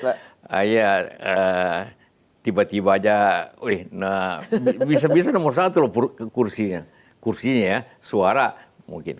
ya tiba tiba aja bisa bisa nomor satu loh kursinya kursinya ya suara mungkin